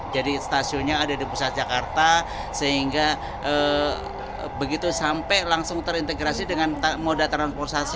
jadi stasiunnya ada di pusat jakarta sehingga begitu sampai langsung terintegrasi dengan moda transportasi